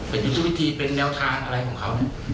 เป็นยุทธิเป็นแนวทางอะไรของเขาเนี่ย